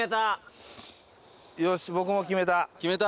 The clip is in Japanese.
よし僕も決めた。